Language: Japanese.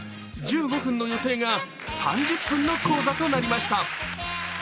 １５分の予定が３０分の高座となりました。